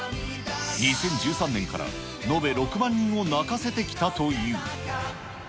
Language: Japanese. ２０１３年から延べ６万人を泣かせてきたという。